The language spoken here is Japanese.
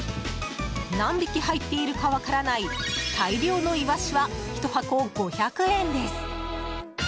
何匹入っているか分からない大量のイワシはひと箱５００円です。